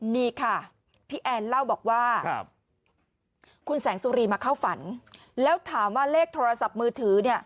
นี่ค่ะพี่แอนเล่าบอกว่าคุณแสงสุรีมาเข้าฝันแล้วถามว่าเลขโทรศัพท์มือถือเนี่ย